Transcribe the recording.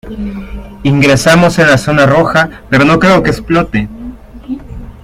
ingresamos en la zona roja, pero no creo que explote.